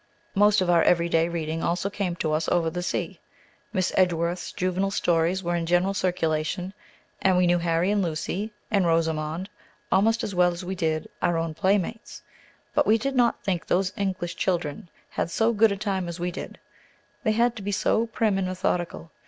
Most of our every day reading also came to us over the sea. Miss Edgworth's juvenile stories were in general circulation, and we knew "Harry and Lucy" and "Rosamond" almost as well as we did our own playmates. But we did not think those English children had so good a time as we did; they had to be so prim and methodical.